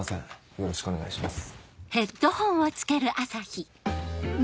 よろしくお願いします。